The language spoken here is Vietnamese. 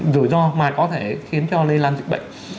rủi ro mà có thể khiến cho lây lan dịch bệnh